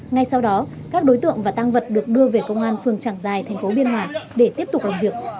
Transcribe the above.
ngay sau đó các đối tượng và tăng vật được đưa về công an phường trảng giài thành phố biên hòa để tiếp tục làm việc